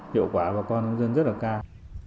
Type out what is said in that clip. hiệu quả bà con nông dân rất là cao